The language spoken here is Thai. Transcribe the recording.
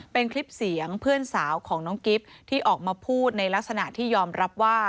เป็นคลิปเสียงเพื่อนสาวของน้องกิฟต์ที่ออกมาพูดในลักษณะที่ยอมรับว่า